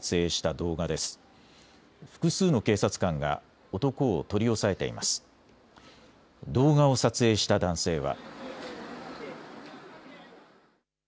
動画を撮影した男性は。